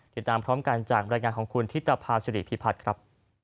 ติดตามพร้อมกันจากบรรยายงานของคุณธิตภาษิริพิพัฒน์ครับ